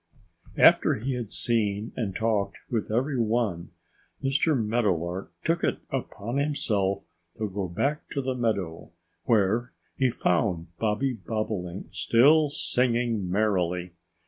After he had seen and talked with every one, Mr. Meadowlark took it upon himself to go back to the meadow, where he found Bobby Bobolink still singing merrily.